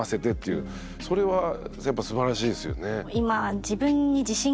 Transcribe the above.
それはやっぱすばらしいですよね。